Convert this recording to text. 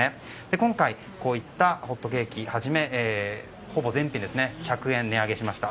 今回こういったホットケーキはじめほぼ全品１００円値上げしました。